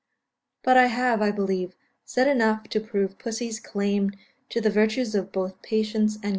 _) But I have, I believe, said enough to prove pussy's claim to the virtues of both patience and gratitude.